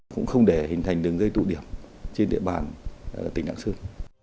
cũng không để hình thành đường dây tụ điểm trên địa bàn tỉnh lạng sơn